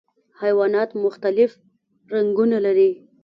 حیوانات مختلف رنګونه لري.